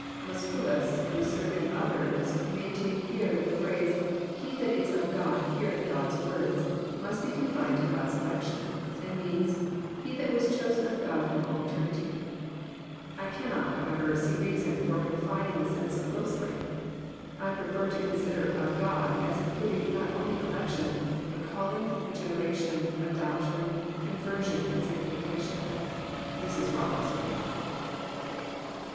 Musculus, Bucer, and others maintain here that the phrase, " He that is of God, heareth God's Words," mast be confined to God's election ; and means, He that was chosen of God from all eternity." I cannot, however, see reason for confining the sense so closely. I prefer to consider *' of God " as including, not only election, but calling, regeneration, adoption, conver flion, and sanctification. This is Bollock's view.